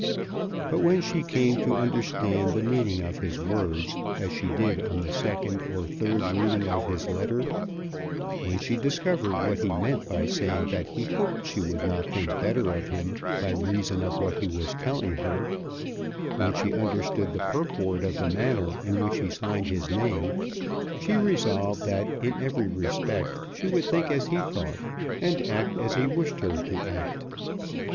But when she came to understand the meaning of his words, as she did on the second or third reading of his letter, when she discovered what he meant by saying that he hoped she would not think better of him by reason of what he was telling her, when she understood the purport of the manner in which he signed his name, she resolved that in every respect she would think as he thought and act as he wished her to act.